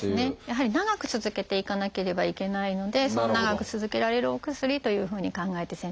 やはり長く続けていかなければいけないので長く続けられるお薬というふうに考えて選択しています。